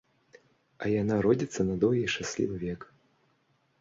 А яна родзіцца на доўгі шчаслівы век.